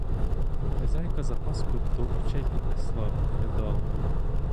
Хазяйка запаску до очей піднесла, ридала.